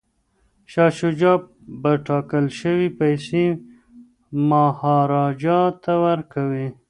شاه شجاع به ټاکل شوې پیسې مهاراجا ته ورکوي.